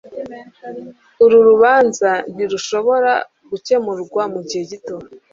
Uru rubanza ntirushobora gukemurwa mugihe gito.